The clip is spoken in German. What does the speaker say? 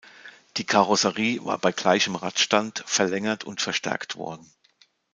Die Karosserie war bei gleichem Radstand verlängert und verstärkt worden.